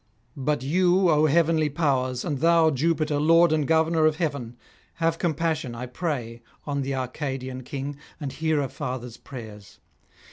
But you, O heavenly powers, and thou, Jupiter, Lord and Governor of Heaven, have compassion, I pray, on [574 609]the Arcadian king, and hear a father's prayers.